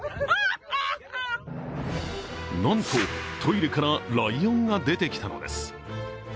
なんと、トイレからライオンが出てきたのです。